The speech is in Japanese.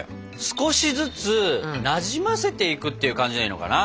少しずつなじませていくっていう感じでいいのかな？